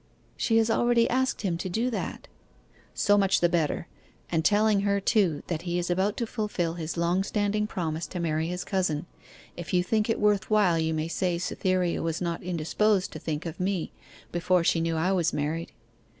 'She has already asked him to do that.' 'So much the better and telling her, too, that he is about to fulfil his long standing promise to marry his cousin. If you think it worth while, you may say Cytherea was not indisposed to think of me before she knew I was married.